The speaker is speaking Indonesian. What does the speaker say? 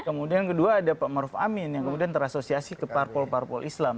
kemudian kedua ada pak maruf amin yang kemudian terasosiasi ke parpol parpol islam